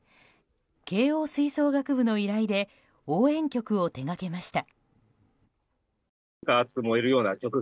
慶応吹奏楽部の依頼で応援曲を手がけました。